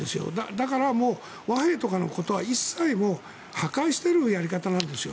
だから和平のことは一切破壊しているようなやり方なんですよ。